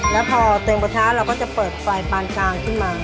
แล้วพอเติมประทะเราก็จะเปิดไฟปานกลางขึ้นมา